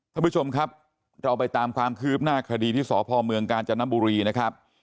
ท่านผู้ชมครับเราไปตามความคืบหน้าคดีที่สพเมืองกาญจนบุรีนะครับ